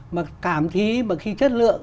mà cảm thấy mà khi chất lượng